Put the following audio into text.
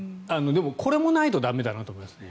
でも、これもないと駄目だなと思いますね。